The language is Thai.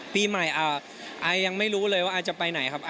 ปีใหม่อายังไม่รู้เลยว่าไอจะไปไหนครับ